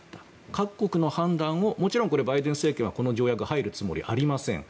各国の判断をもちろん、バイデン政権はこの条約に入るつもりはありません。